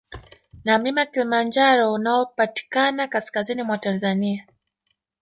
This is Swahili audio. Na mlima Kilimanjaro unaopatikana kaskazini mwa Tanzania